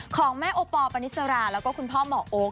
ของแม่โอปอล์บานิซาราและคุณพ่อหมอโอ๊ก